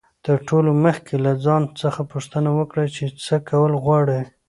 تر ټولو مخکي له ځان څخه پوښتنه وکړئ، چي څه کول غواړئ.